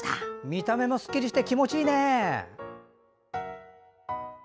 見た目もすっきりして気持ちいいね。